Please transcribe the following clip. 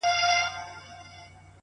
دا د پردیو اجل مه ورانوی،